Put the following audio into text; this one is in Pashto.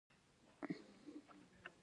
برکت په اخلاص کې دی